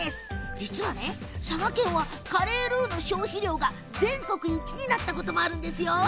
実は佐賀県はカレールーの消費量が全国１位になったこともあるんですよ。